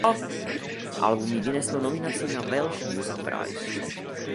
Album jí vyneslo nominaci na Welsh Music Prize.